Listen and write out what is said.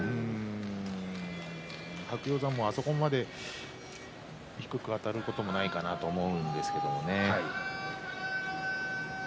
白鷹山もあそこまで低くあたることもないと思うんですけどね。